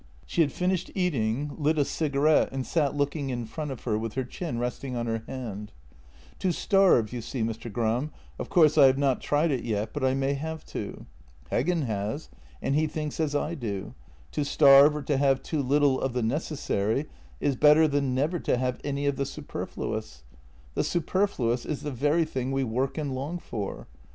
She had finished eating, lit a cigarette, and sat looking in front of her, with her chin resting on her hand: " To starve, you see, Mr. Gram — of course I have not tried it yet, but I may have to. Heggen has, and he thinks as I do — to starve or to have too little of the necessary is better than never to have any of the superfluous. The superfluous is the very thing we work and long for.